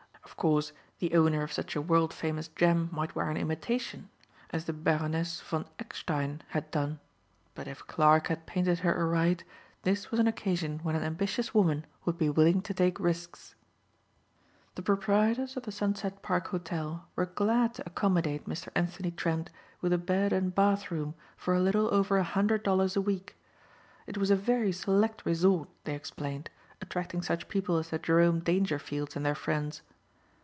Of course the owner of such a world famous gem might wear an imitation as the Baroness von Eckstein had done. But if Clarke had painted her aright this was an occasion when an ambitious woman would be willing to take risks. The proprietors of the Sunset Park Hotel were glad to accommodate Mr. Anthony Trent with a bed and bathroom for a little over a hundred dollars a week. It was a very select resort, they explained, attracting such people as the Jerome Dangerfields and their friends.